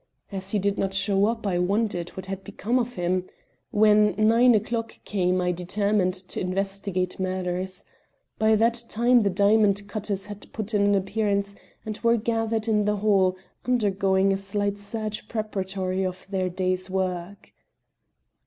As he did not show up I wondered what had become of him. When nine o'clock came, I determined to investigate matters. By that time the diamond cutters had put in an appearance, and were gathered in the hall, undergoing a slight search preparatory to their day's work."